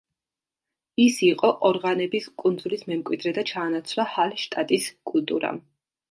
ის იყო ყორღანების კულტურის მემკვიდრე და ჩაანაცვლა ჰალშტატის კულტურამ.